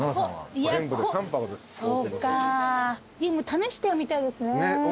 試してはみたいですね。